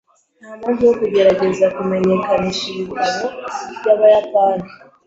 Ntampamvu yo kugerageza kumumenyekanisha ibitabo byabayapani.